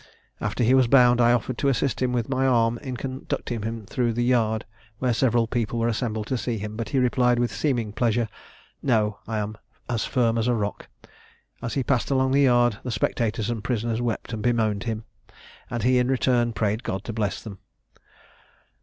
After he was bound, I offered to assist him with my arm in conducting him through the yard, where several people were assembled to see him; but he replied, with seeming pleasure, 'No, I am as firm as a rock.' As he passed along the yard, the spectators and prisoners wept and bemoaned him; and he, in return, prayed God to bless them.